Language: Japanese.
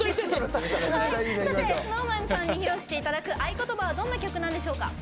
ＳｎｏｗＭａｎさんに披露していただく「あいことば」はどんな曲なんでしょうか？